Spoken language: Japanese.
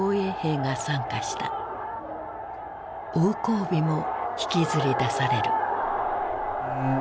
王光美も引きずり出される。